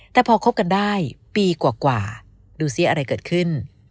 แต่พอคบกันได้ปีกว่าดูซิอะไรเกิดขึ้น